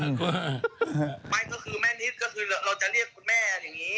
ไม่แม่นิดก็คือเราจะเรียกแม่แบบนี้